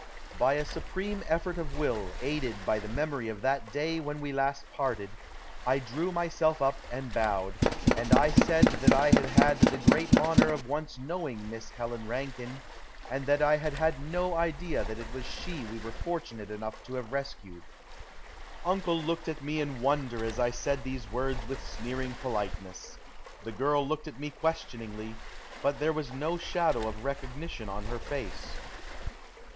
By a supreme effort of will, aided by the memory of that day when we last parted, I drew myself up and bowed, and I said that I had had the great honor of once knowing Miss Helen Rankine, and that I had had no idea that it was she we were fortunate enough to have rescued. Uncle looked at me in wonder as I said these words with sneering politeness. The girl looked at me questioningly, but there was no shadow of recognition on her face.